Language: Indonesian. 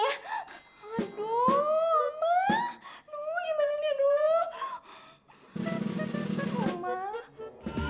aku sama merah muda sama raja